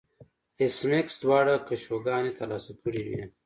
ایس میکس دواړه کشوګانې ترلاسه کړې وې